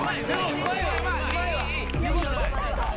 うまいわ。